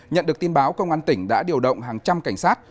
nhận được tin báo công an tỉnh đã điều động hàng trăm cảnh sát